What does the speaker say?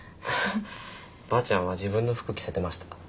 ばあちゃんは自分の服着せてました。